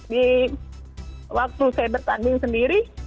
di waktu saya bertanding sendiri